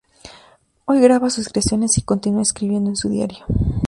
Hoy graba sus creaciones, y continúa escribiendo en su diario.